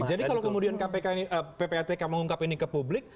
jadi kalau ppatk mengungkap ini ke publik